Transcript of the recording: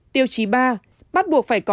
tiêu chí ba bắt buộc phải có